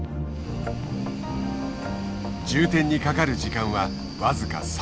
充填にかかる時間は僅か３分。